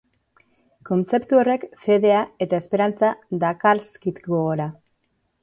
Kontzeptu horrek fedea eta esperantza dakarzkit gogora.